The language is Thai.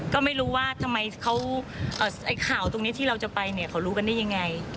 ก็ไม่รู้ว่าทำไมข่าวตรงนี้ที่เราจะไปเนี่ยเขารู้กันได้ยังไง